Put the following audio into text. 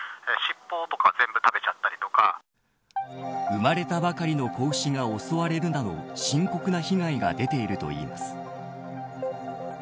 生まれたばかりの子牛が襲われるのと深刻な被害が出ているといいます。